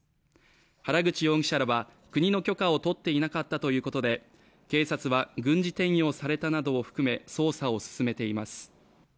原口容疑者らは、国の許可を取っていなかったということで、警察は軍事転用されたなどを含め捜査を進めています。